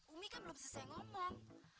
umi kan belum selesai ngomong